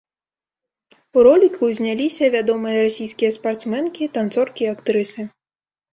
У роліку зняліся вядомыя расійскія спартсменкі, танцоркі і актрысы.